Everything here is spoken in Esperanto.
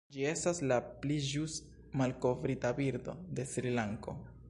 Ĝi estas la pli ĵus malkovrita birdo de Srilanko.